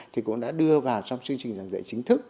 thì cũng đã đưa vào trong chương trình giảng dạy chính thức